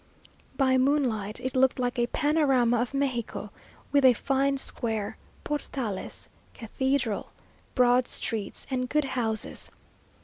By moonlight, it looked like a panorama of Mexico; with a fine square, portales, cathedral, broad streets, and good houses.